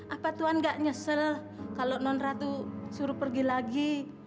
apa tuhan gak nyesel kalau non ratu suruh pergi lagi